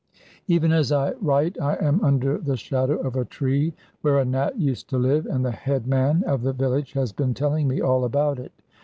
Even as I write I am under the shadow of a tree where a Nat used to live, and the headman of the village has been telling me all about it.